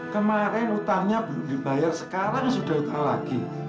kemarin utangnya belum dibayar sekarang sudah utah lagi